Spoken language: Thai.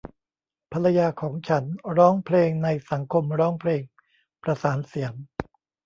ภรรยาของฉันร้องเพลงในสังคมร้องเพลงประสานเสียง